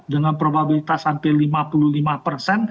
dengan probabilitas hampir lima puluh lima